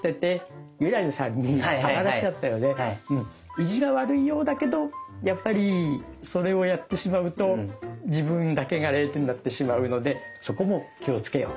意地が悪いようだけどやっぱりそれをやってしまうと自分だけが０点になってしまうのでそこも気をつけよう。